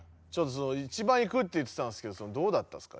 一番行くって言ってたんですけどどうだったんですか？